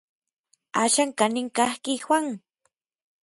¿Axan kanin kajki Juan?